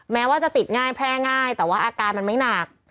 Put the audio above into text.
แม้ว่าจะติดง่ายแพร่ง่ายแต่ว่าอาการมันไม่หนัก